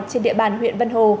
trên địa bàn huyện vân hồ